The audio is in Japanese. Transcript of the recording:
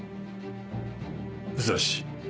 武蔵。